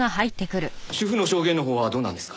主婦の証言のほうはどうなんですか？